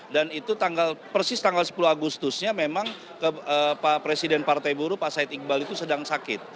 dan itu persis tanggal sepuluh agustusnya memang presiden partai buruh pak syed iqbal itu sedang sakit